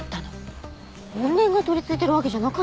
怨念が取りついてるわけじゃなかったんですね。